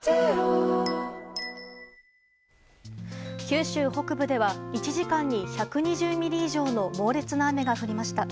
九州北部では１時間に１２０ミリ以上の猛烈な雨が降りました。